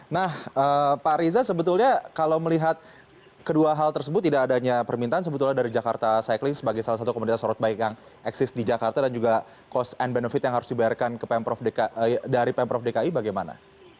nah pak riza sebetulnya kalau melihat kedua hal tersebut tidak adanya permintaan sebetulnya dari jakarta cycling sebagai salah satu komunitas road bike yang eksis di jakarta dan juga cost and benefit yang harus dibayarkan ke pemprov dki bagaimana